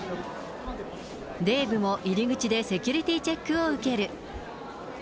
デーブも入り口でセキュリティーチェックを受ける。